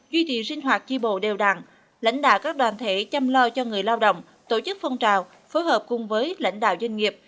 duy trì sinh hoạt tri bộ đều đặn lãnh đạo các đoàn thể chăm lo cho người lao động tổ chức phong trào phối hợp cùng với lãnh đạo doanh nghiệp